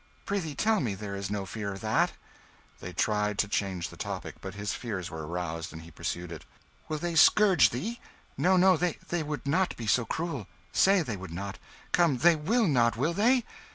Prithee tell me there is no fear of that." They tried to change the topic, but his fears were aroused, and he pursued it "Will they scourge thee? No, no, they would not be so cruel! Say they would not. Come, they will not, will they?"